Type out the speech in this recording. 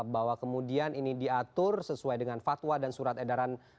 bahwa kemudian ini diatur sesuai dengan fatwa dan surat edaran